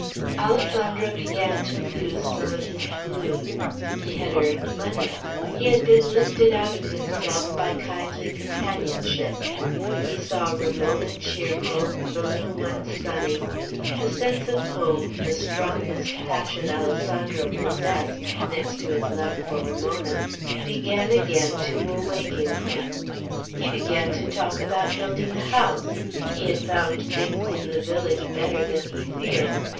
Alessandro began to lose some of his gloom. He had earned money. He had been lifted out of himself by kindly companionship; he saw Ramona cheerful, the little one sunny; the sense of home, the strongest passion Alessandro possessed, next to his love for Ramona, began again to awake in him. He began to talk about building a house. He had found things in the village better than he feared.